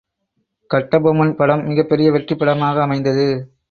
கட்டபொம்மன் படம் மிகப்பெரிய வெற்றிப்படமாக அமைந்தது.